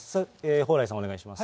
蓬莱さん、お願いします。